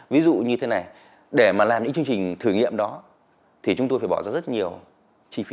ví dụ như thế này để mà làm những chương trình thử nghiệm đó thì chúng tôi phải bỏ ra rất nhiều chi phí